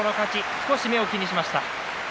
少し目を気にしました。